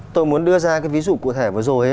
tôi muốn đưa ra cái ví dụ cụ thể vừa rồi